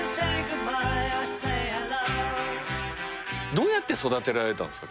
どうやって育てられたんすか？